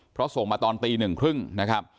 เพราะส่งมาตอนตีหนึ่งครึ่งนะครับ